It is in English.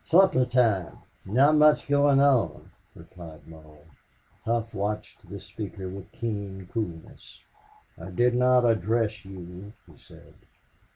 "Supper time. Not much going on," replied Mull. Hough watched this speaker with keen coolness. "I did not address you," he said.